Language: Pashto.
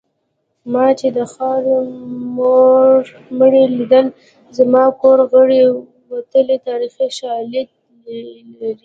ما چې د خاوو مړي لیدلي زما کور غړي وتلي تاریخي شالید لري